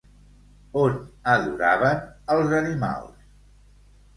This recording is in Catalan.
On adoraven als animals?